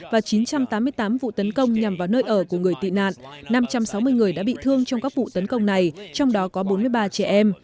và chín trăm tám mươi tám vụ tấn công nhằm vào nơi ở của người tị nạn năm trăm sáu mươi người đã bị thương trong các vụ tấn công này trong đó có bốn mươi ba trẻ em